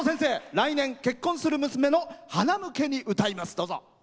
来年、結婚する娘のはなむけに行います。